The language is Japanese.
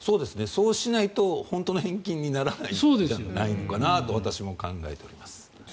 そうしないと本当の返金にならないのかなと私は考えております。